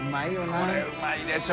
これうまいでしょ。